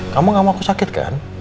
kamu gak mau aku sakit kan